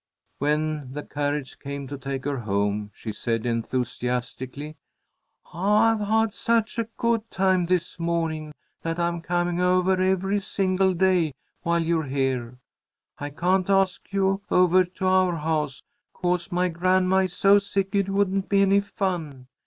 When the carriage came to take her home, she said, enthusiastically: "I've had such a good time this morning that I'm coming over every single day while you're here. I can't ask you over to our house 'cause my grandma is so sick it wouldn't be any fun.